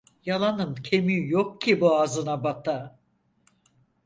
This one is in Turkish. Yalanın kemiği yok ki boğazına bata.